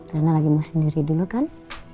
rana lagi mau sendiri dulu kan